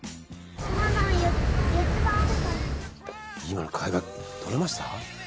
今の会話、撮れました？